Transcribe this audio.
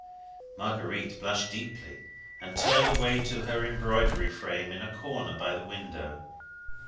Marguerite blushed deeply, and turned away to her embroidery frame in a corner by the window.